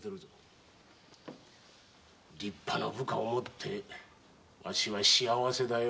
立派な部下をもってわしは幸せ者だよ。